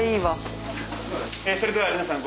それでは皆さん。